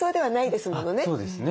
そうですね。